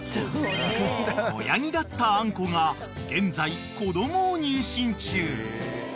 ［子ヤギだったあんこが現在子供を妊娠中］